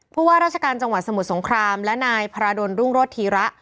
ว่าราชการจังหวัดสมุทรสงครามและนายพระราดลรุ่งโรธธีระ